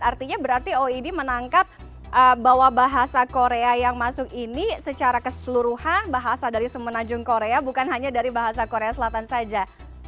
artinya berarti oid menangkap bahwa bahasa korea yang masuk ini secara keseluruhan bahasa dari semenanjung korea bukan hanya dari bahasa korea selatan saja